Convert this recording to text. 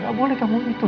gak boleh kamu begitu